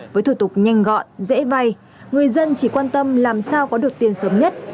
với thủ tục nhanh gọn dễ vay người dân chỉ quan tâm làm sao có được tiền sớm nhất